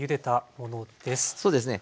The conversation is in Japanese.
そうですね。